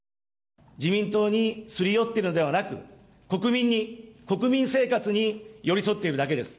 自民党にすり寄っているのではなく、国民に、国民生活に寄り添っているだけです。